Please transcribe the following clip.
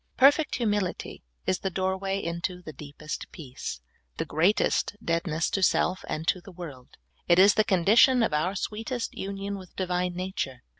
Perfect humility is the door way into the deepest peace, the greatest deadness to self and to the world ; it is the condition of our sweet est union with Divine nature.